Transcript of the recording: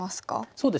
そうですね。